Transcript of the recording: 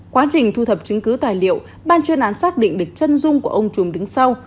quá trình thu thập chứng cứ tài liệu ban chuyên án xác định được chân dung của ông trùm đứng sau